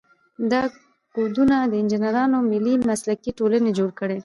دا کودونه د انجینرانو ملي مسلکي ټولنې جوړ کړي.